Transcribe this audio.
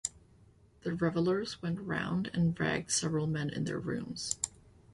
The revellers went round and ragged several men in their rooms.